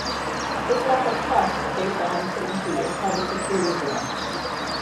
This lack of trust, based on uncertainty, is called the security dilemma.